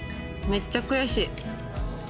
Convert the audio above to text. めっちゃ悔しい。